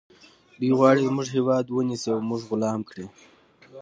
دوی غواړي زموږ هیواد ونیسي او موږ غلام کړي